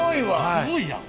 すごいやん。